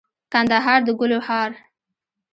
کندهار دګلو هار